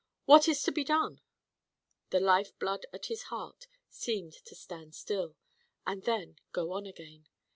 What is to be done?" The life blood at his heart seemed to stand still, and then go on again.